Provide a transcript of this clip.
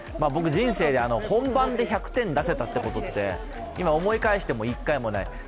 僕、人生で本番で１００点出せたことって今思い返しても１回もない。